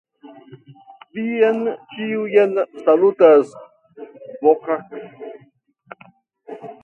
Vin ĉiujn salutas: Kovacs.